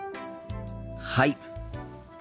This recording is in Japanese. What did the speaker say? はい。